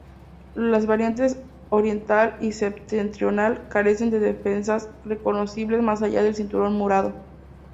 Las vertientes oriental y septentrional carecen de defensas reconocibles más allá del cinturón murado.